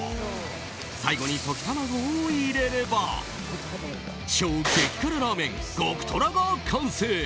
最後に溶き卵を入れれば超激辛ラーメン・極トラが完成。